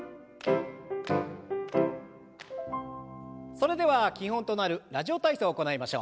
それでは基本となる「ラジオ体操」を行いましょう。